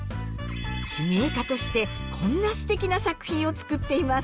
手芸家としてこんなすてきな作品を作っています。